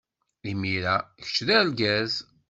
Imir-a, kečč d argaz.